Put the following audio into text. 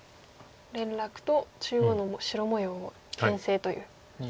連絡と中央の白模様をけん制という。